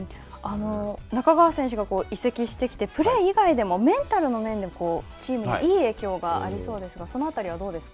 仲川選手が移籍してきて、プレー以外でもメンタルの面でチームにいい影響がありそうですが、その辺りはどうですか。